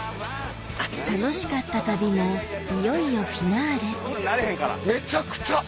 楽しかった旅もいよいよフィナーレめちゃくちゃ！